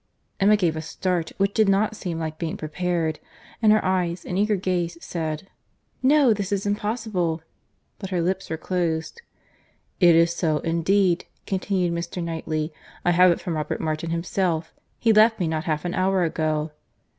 Emma gave a start, which did not seem like being prepared—and her eyes, in eager gaze, said, "No, this is impossible!" but her lips were closed. "It is so, indeed," continued Mr. Knightley; "I have it from Robert Martin himself. He left me not half an hour ago."